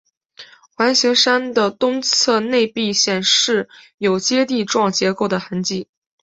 环形山的东侧内壁显示有阶地状结构的痕迹。